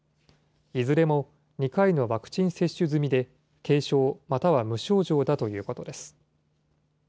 いずれも２回のワクチン接種済みで、軽症、または無症状だということです。